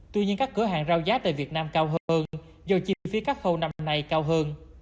tuy nhiên các cửa hàng rau giá tại việt nam cao hơn do chi phí cắt khâu năm nay cao hơn